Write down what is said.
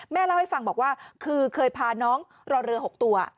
เล่าให้ฟังบอกว่าคือเคยพาน้องรอเรือ๖ตัว